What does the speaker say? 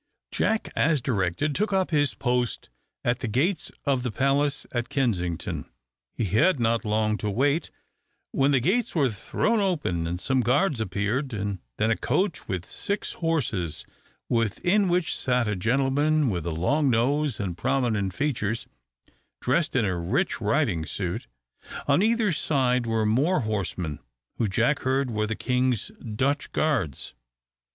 Jack, as directed, took up his post at the gates of the palace at Kensington. He had not long to wait, when the gates were thrown open, and some guards appeared, and then a coach with six horses, within which sat a gentleman with a long nose and prominent features, dressed in a rich riding suit. On either side were more horsemen, who Jack heard were the King's Dutch guards.